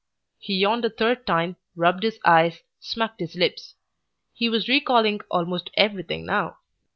He yawned a third time, rubbed his eyes, smacked his lips. He was recalling almost everything now.